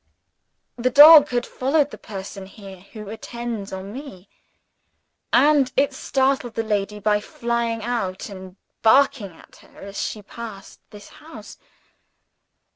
The dog had followed the person here who attends on me: and it startled the lady by flying out and barking at her as she passed this house.